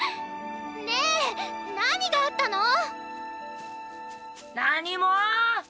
ねえ何があったの⁉何も！